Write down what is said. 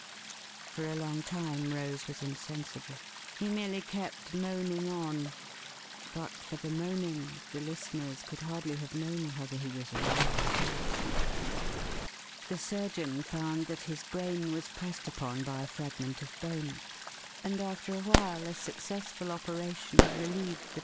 For a long time Rose was insensible. He merely kept moaning on; but for the moaning, the listeners could hardly have known whether he was alive or dead. The surgeon found that his brain was pressed upon by a frag ment of bone, and after a while a successful operation THE RING RETURNED Sll relieved Jhe.